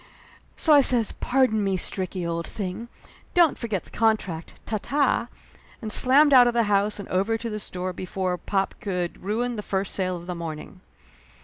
So I says "Pardon me, Stricky, old thing don't forget the contract ta ta!" and slammed out of the house and over to the store before pop could ruin the first sale of the morning.